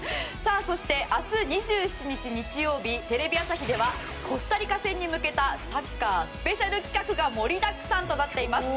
そして明日２７日日曜日テレビ朝日ではコスタリカ戦に向けたサッカースペシャル企画が盛りだくさんとなっています。